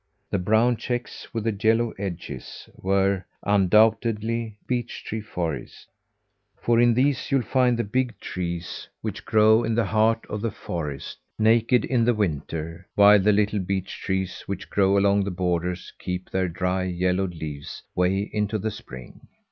The brown checks with the yellow edges were, undoubtedly, beech tree forests; for in these you'll find the big trees which grow in the heart of the forest naked in winter; while the little beech trees, which grow along the borders, keep their dry, yellowed leaves way into the spring.